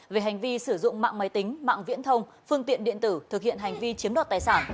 về hành vi sử dụng mạng máy tính mạng viễn thông phương tiện điện tử thực hiện hành vi chiếm đoạt tài sản